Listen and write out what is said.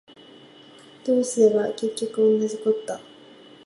そうすれば結局おんなじこった